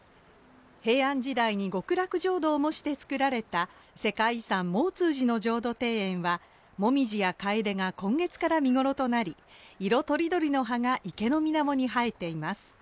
平安時代に極楽浄土を模して造られた世界遺産毛越寺の浄土庭園はモミジやカエデが今月から見頃となり色とりどりの葉が池の水面に映えています